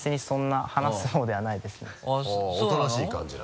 おとなしい感じだ。